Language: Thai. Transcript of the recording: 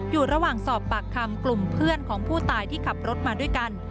อยู่ระหว่างสอบปากคำกลุ่มเพื่อนของผู้ตายที่ขับรถมาด้วยกัน